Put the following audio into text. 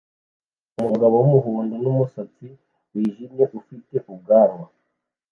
Umugabo wumuhondo numusatsi wijimye ufite ubwanwa